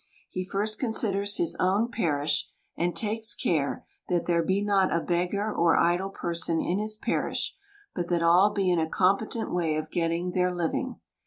He first considers his own parish ; and takes care, that there be not a beggar or idle person in his parish, but that all be in a competent way of getting their liv ing.